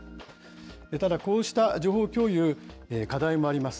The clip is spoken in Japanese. ただ、こうした情報共有、課題もあります。